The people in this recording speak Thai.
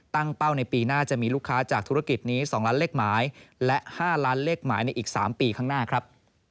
เป้าในปีหน้าจะมีลูกค้าจากธุรกิจนี้๒ล้านเลขหมายและ๕ล้านเลขหมายในอีก๓ปีข้างหน้าครับ